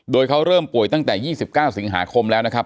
โดยเขาเริ่มป่วยตั้งแต่๒๙สิงหาคมแล้วนะครับ